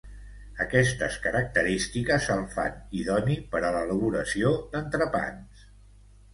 Aquestes característiques el fan idoni per a l'elaboració d'entrepans.